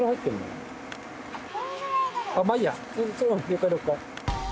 了解了解。